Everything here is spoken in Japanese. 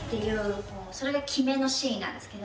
それが決めのシーンなんですけど。